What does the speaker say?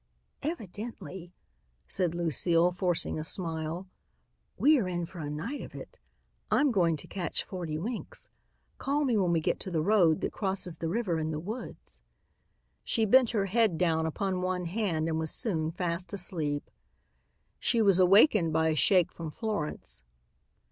"Evidently," said Lucile, forcing a smile, "we are in for a night of it. I'm going to catch forty winks. Call me when we get to the road that crosses the river in the woods." She bent her head down upon one hand and was soon fast asleep. She was awakened by a shake from Florence.